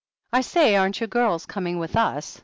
"I say, aren't you girls coming with us?"